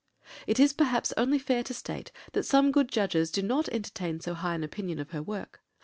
It is perhaps only fair to state that some good judges do not entertain so high an opinion of her work.